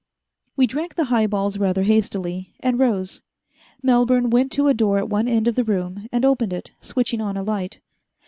We drank the highballs rather hastily, and rose. Melbourne went to a door at one end of the room and opened it, switching on a light.